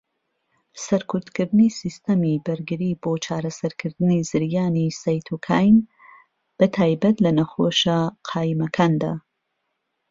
سەرکوتکردنی سیستەمی بەرگری بۆ چارەسەرکردنی زریانی سایتۆکاین، بەتایبەت لە نەخۆشه قایمەکاندا.